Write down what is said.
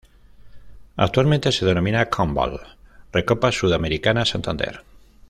Actualmente se denomina Conmebol Recopa Sudamericana Santander.